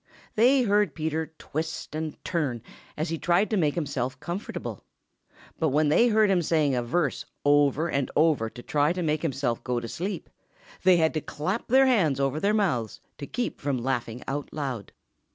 They heard Peter twist and turn, as he tried to make himself comfortable. But when they heard him saying a verse over and over to try to make himself go to sleep, they had to clap their hands over their mouths to keep from laughing out loud.